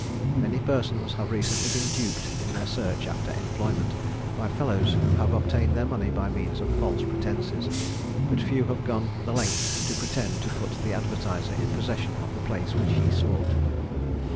Many persons have recently been duped in their search after employment, by fellows who have obtained their money by means of false pretences; but few have gone the length to pretend to put the advertiser in possession of the place which he sought.